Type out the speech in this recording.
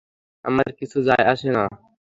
আমার কিছু যায় আসে না!